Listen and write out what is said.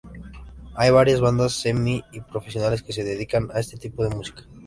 Hay varias bandas semi y profesionales que se dedican a este tipo de música.